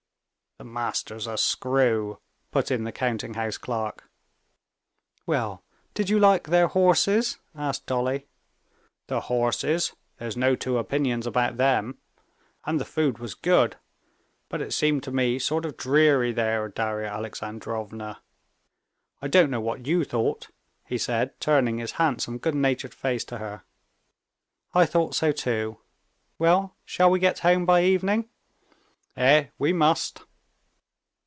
"The master's a screw," put in the counting house clerk. "Well, did you like their horses?" asked Dolly. "The horses!—there's no two opinions about them. And the food was good. But it seemed to me sort of dreary there, Darya Alexandrovna. I don't know what you thought," he said, turning his handsome, good natured face to her. "I thought so too. Well, shall we get home by evening?" "Eh, we must!"